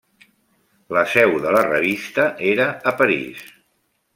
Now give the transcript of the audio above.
La seu de la revista era a París.